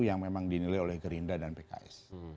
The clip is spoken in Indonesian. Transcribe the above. yang memang dinilai oleh gerindra dan pks